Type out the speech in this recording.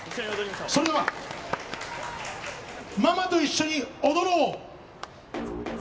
それでは「ママと一緒に踊ろう」。